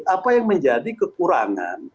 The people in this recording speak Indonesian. apa yang menjadi kekurangan